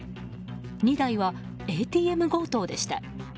２台は、ＡＴＭ強盗でした。